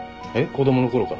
子供のころから？